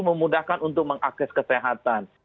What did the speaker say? memudahkan untuk mengakses kesehatan